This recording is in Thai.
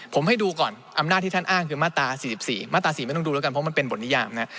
ผมให้ดูก่อนอำนาจที่ท่านอ้างคือมาตรา๔๔มาตรา๔ไม่ต้องดูแล้วกันเพราะมันเป็นบทนิยามนะ